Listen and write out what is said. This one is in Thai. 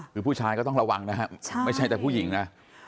คือผู้ชายก็ต้องระวังนะครับไม่ใช่แต่ผู้หญิงนะ